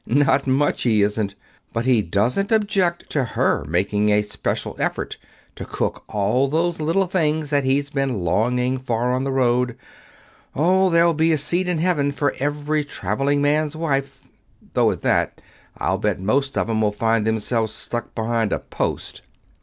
Not much, he isn't! But he doesn't object to her making a special effort to cook all those little things that he's been longing for on the road. Oh, there'll be a seat in Heaven for every traveling man's wife though at that, I'll bet most of 'em will find themselves stuck behind a post."